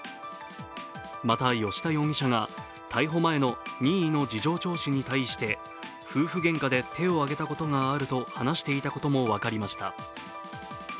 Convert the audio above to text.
また吉田容疑者が逮捕前の任意の事情聴取に対して夫婦げんかで手を上げたことがあると話していたことも分かりました。